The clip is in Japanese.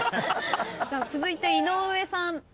続いて井上さん。